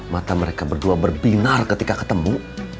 mata mereka berdua berbinar ketika ketemu